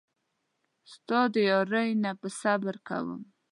ستا د یارۍ نه به صبر کوم.